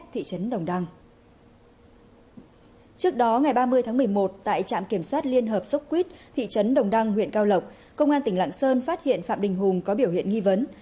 trước đó ngày ba mươi tháng một mươi một tại trạm kiểm soát liên hợp sốc quýt thị trấn đồng đăng huyện cao lộc công an tỉnh lạng sơn phát hiện phạm đình hùng có biểu hiện nghi vấn